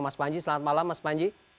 mas panji selamat malam mas panji